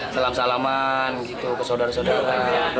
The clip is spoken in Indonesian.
salam salaman gitu ke saudara saudara